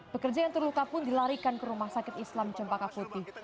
pekerja yang terluka pun dilarikan ke rumah sakit islam cempaka putih